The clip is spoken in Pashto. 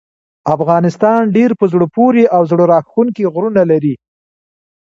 افغانستان ډیر په زړه پورې او زړه راښکونکي غرونه لري.